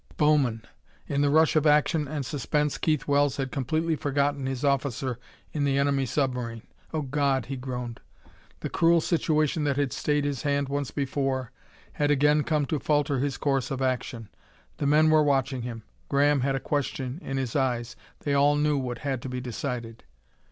Bowman! In the rush of action and suspense, Keith Wells had completely forgotten his officer in the enemy submarine. "Oh, God!" he groaned. The cruel situation that had stayed his hand once before had again come to falter his course of action. The men were watching him; Graham had a question in his eyes. They all knew what had to be decided....